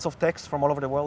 banyak teks dari seluruh dunia